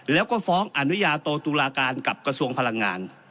แล้วก็ฟ้องอนุญาโตตุลาการกับกระทรวงพลังงาน